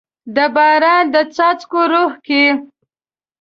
د باران د څاڅکو روح کې